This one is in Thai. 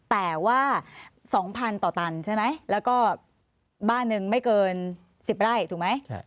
แต่ว่า๒๐๐๐ต่อตันใช่ไหมแล้วก็บ้านหนึ่งไม่เกิน๑๐ไร่ถูกไหม